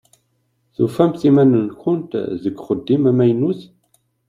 Tufamt iman-nkent deg uxeddim amaynut?